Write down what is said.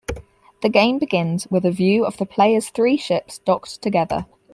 The game begins with a view of the player's three ships docked together.